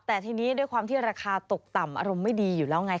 แต่ทีนี้ด้วยความที่ราคาตกต่ำอารมณ์ไม่ดีอยู่แล้วไง